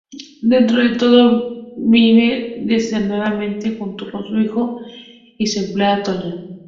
Dentro de todo, vive desordenadamente junto con su hijo y su empleada Toña.